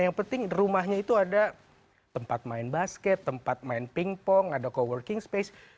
yang penting rumahnya itu ada tempat main basket tempat main pingpong ada co working space